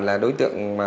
là đối tượng